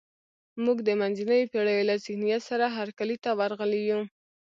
موږ د منځنیو پېړیو له ذهنیت سره هرکلي ته ورغلي یو.